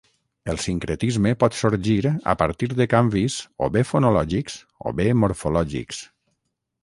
El sincretisme pot sorgir a partir de canvis o bé fonològics o bé morfològics.